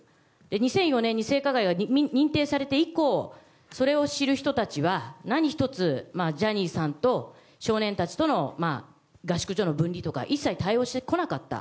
２００４年に性加害が認定されて以降それを知る人たちは何一つジャニーさんと少年たちとの合宿所の分離とか一切対応してこなかった。